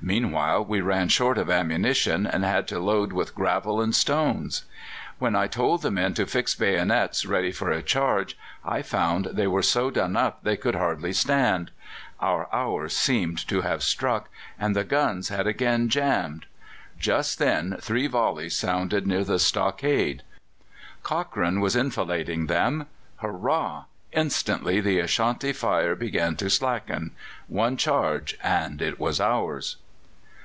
Meanwhile, we ran short of ammunition, and had to load with gravel and stones. When I told the men to fix bayonets ready for a charge, I found they were so done up they could hardly stand. Our hour seemed to have struck, and the guns had again jammed. Just then three volleys sounded near the stockade. Cochrane was enfilading them. Hurrah! Instantly the Ashanti fire began to slacken. One charge, and it was ours."